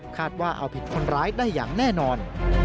ว่าเอาผิดคนร้ายได้อย่างแน่นอน